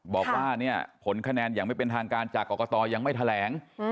บอกว่าเนี่ยผลคะแนนอย่างไม่เป็นทางการจากกรกตยังไม่แถลง